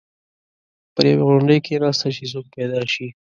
پر یوې غونډۍ کېناسته چې څوک پیدا شي.